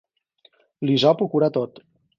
L'hisop ho cura tot.